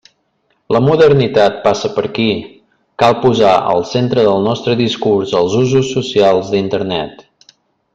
La modernitat passa per aquí, cal posar al centre del nostre discurs els usos socials d'Internet.